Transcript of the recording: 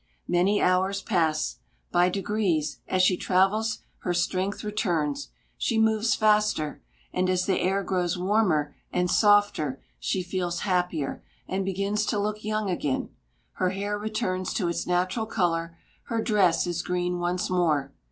Many hours pass; by degrees, as she travels her strength returns, she moves faster, and, as the air grows warmer and softer, she feels happier and begins to look young again; her hair returns to its natural color, her dress is green once more.